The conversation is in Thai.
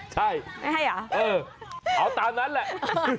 ใช่เอาตามนั้นแหละ